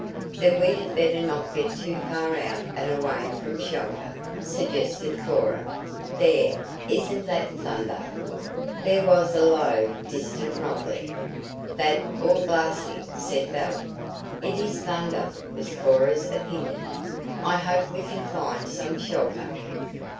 "Then we had better not get too far out and away from shelter," suggested Cora. "There! Isn't that thunder?" There was a low, distant rumbling. "That or blasting," said Belle. "It is thunder," was Cora's opinion. "I hope we can find some shelter."